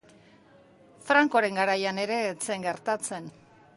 Francoren garaian ere ez zen gertatzen.